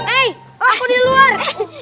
eh aku di luar